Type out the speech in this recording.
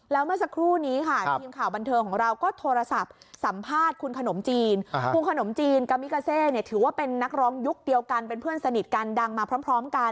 แล้วเมื่อสักครู่นี้ค่ะทีมข่าวบันเทิงของเราก็โทรศัพท์